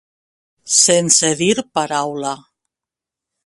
Sense dir paraula.